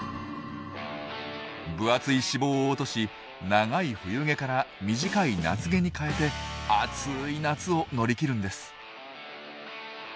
分厚い脂肪を落とし長い冬毛から短い夏毛に換えて暑い夏を乗り切るんです。